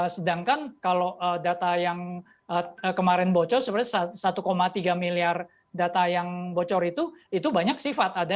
sedangkan kalau data yang kemarin bocor sebenarnya satu tiga miliar data yang bocor itu itu banyak sifat